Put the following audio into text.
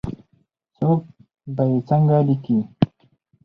څوک به یې څنګه لیکي ؟